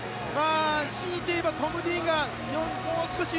しいて言えばトム・ディーンがもう少し。